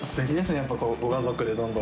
やっぱりご家族でどんどん。